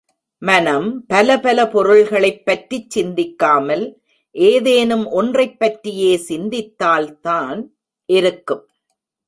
மனம் பலபல பொருள்களைப் பற்றிச் சிந்திக்காமல் ஏதேனும் ஒன்றைப் பற்றியே சிந்தித்தால்தான் இருக்கும்.